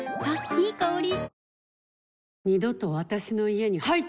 いい香り。